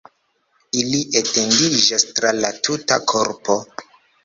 Ili etendiĝas tra la tuta korpo.